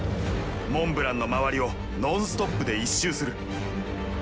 モンブランの周りをノンストップで１周する。